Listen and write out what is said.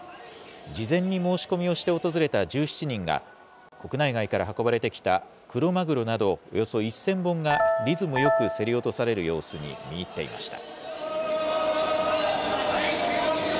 事前に申し込みをして訪れた１７人が、国内外から運ばれてきたクロマグロなど、およそ１０００本がリズムよく競り落とされる様子に見入っていました。